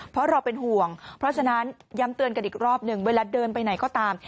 เพราะเราเป็นห่วงเพราะฉะนั้นย้ำเตือนกันอีกรอบหนึ่งเวลาเดินไปไหนก็ตาม